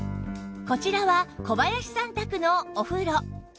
こちらは小林さん宅のお風呂